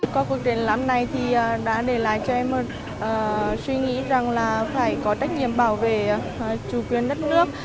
qua cuộc triển lãm này thì đã để lại cho em suy nghĩ rằng là phải có trách nhiệm bảo vệ chủ quyền đất nước